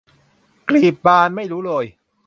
กลีบบานไม่รู้โรย